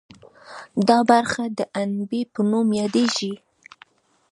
دا برخه د عنبیې په نوم یادیږي.